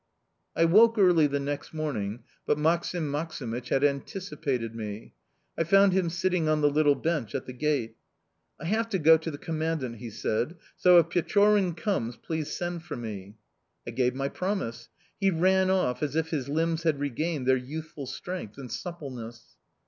I woke early the next morning, but Maksim Maksimych had anticipated me. I found him sitting on the little bench at the gate. "I have to go to the Commandant," he said, "so, if Pechorin comes, please send for me."... I gave my promise. He ran off as if his limbs had regained their youthful strength and suppleness.